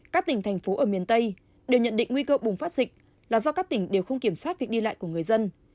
các tỉnh thành phố ở miền tây đều nhận định nguy cơ bùng phát dịch là do các tỉnh đều không kiểm soát việc đi lại của người dân